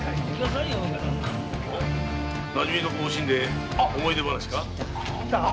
なじみ床を惜しんで思い出話か？